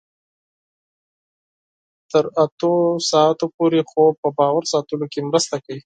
تر اتو ساعتونو پورې خوب په باور ساتلو کې مرسته کوي.